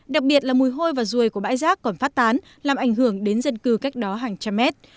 đặc biệt là mùi hôi và ruồi của bãi rác còn phát tán làm ảnh hưởng đến dân cư cách đó hàng trăm mét